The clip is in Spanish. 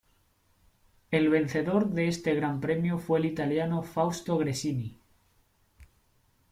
El vencedor de este Gran Premio fue el italiano Fausto Gresini.